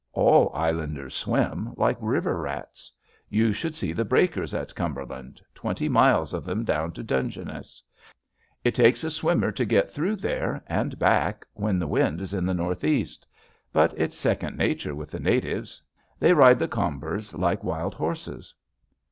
"All islanders swim, like river rats. You should see the breakers at Cumberland — twenty miles of them down to Dungeness. It takes a swimmer to get through there, and back, when the wind is in the northeast. But it's second nature with the natives. They ride the combers like wild horses."